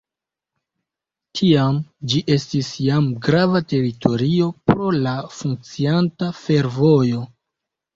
Tiam ĝi estis jam grava teritorio pro la funkcianta fervojo.